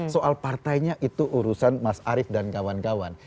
soal partainya itu urusan mas arief dan kawan kawan